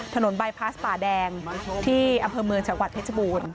บายพลาสป่าแดงที่อำเภอเมืองจังหวัดเพชรบูรณ์